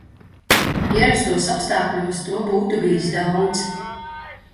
Ierastos apstākļos to būtu bijis daudz.